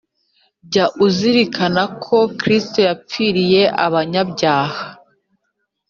jya uzirikana ko Kristo yapfiriye abanyabyaha